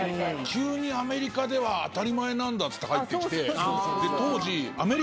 急にアメリカでは当たり前なんだっつって入って来て当時。